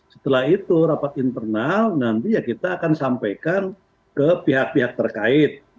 setelah itu rapat internal nanti ya kita akan sampaikan ke pihak pihak terkait